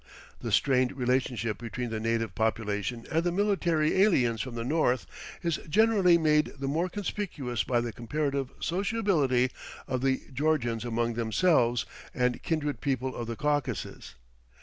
The strained relationship between the native population and the military aliens from the north is generally made the more conspicuous by the comparative sociability of the Georgians among themselves and kindred people of the Caucasus.